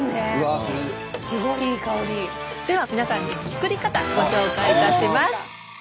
では皆さんに作り方ご紹介いたします。